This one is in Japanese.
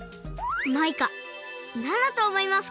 マイカなんだとおもいますか？